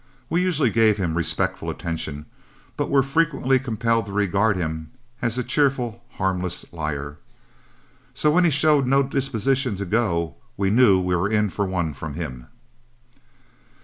We usually gave him respectful attention, but were frequently compelled to regard him as a cheerful, harmless liar. So when he showed no disposition to go, we knew we were in for one from him.